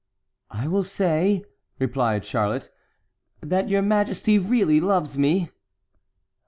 "I will say," replied Charlotte, "that your majesty really loves me."